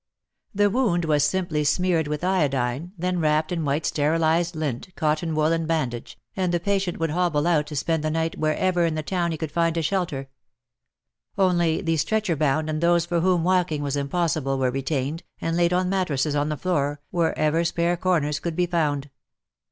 The wound was simply smeared with iodine, then wrapped in white sterilized lint, cotton wool and bandage, and the patient would hobble out to spend the night wherever in the town he could find a shelter ; only the stretcher bound and those for whom walking was impos sible were retained, and laid on mattresses on the floor, wherever spare corners could be found.